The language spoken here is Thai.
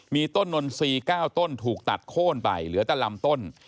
มีต้นนนทรีย์๙ต้นถูกตัดโค้นไปเหลือแต่ลำต้น